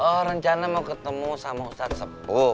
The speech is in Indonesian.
oh rencana mau ketemu sama ustadz sebu